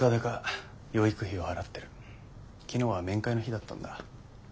昨日は面会の日だったんだ。